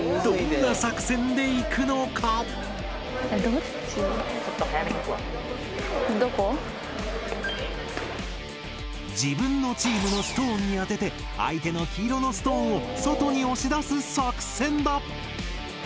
どんな作戦でいくのか⁉自分のチームのストーンに当てて相手の黄色のストーンを外に押し出す作戦だ！